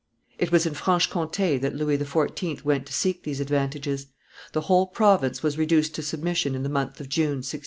It was in Franche Comte that Louis XIV. went to seek these advantages. The whole province was reduced to submission in the month of June, 1674.